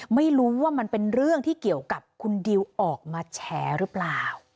ไม่รู้ว่ามันเป็นเรื่องที่เกี่ยวกับคุณดิวออกมาแฉหรือเปล่า